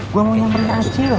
gue mau nyamperin acil